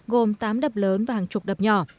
gồm tám đập lớn và hàng chục đập nhỏ